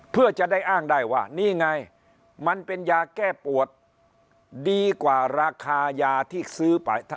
เพื่อจะได้อ้างได้ว่านี่ไงมันเป็นยาแก้ปวดดีกว่าราคายาที่ซื้อไป